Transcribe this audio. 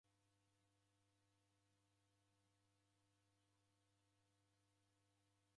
W'andu w'engi w'ikaiagha cha mzinyi ni w'akiw'a.